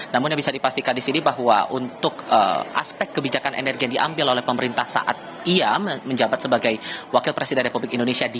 namun yang bisa dipastikan di sini bahwa untuk aspek kebijakan energi yang diambil oleh pemerintah saat ia menjabat sebagai wakil presiden republik indonesia